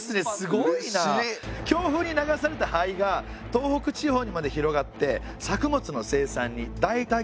強風に流されたはいが東北地方にまで広がって作物の生産にだいだ